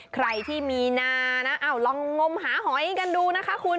ใครที่มีนานะลองงมหาหอยกันดูนะคะคุณ